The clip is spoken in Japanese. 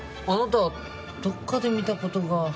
あなた、どっかで見たことが。